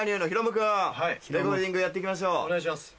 お願いします。